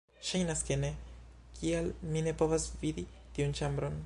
Ŝajnas ke ne... kial mi ne povas vidi tiun ĉambron?